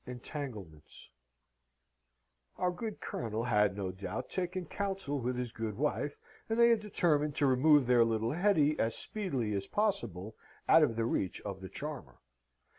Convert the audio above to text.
Entanglements Our good Colonel had, no doubt, taken counsel with his good wife, and they had determined to remove their little Hetty as speedily as possible out of the reach of the charmer.